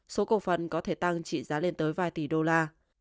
số cổ phần có thể tăng trị giá lên tới vài tỷ đô la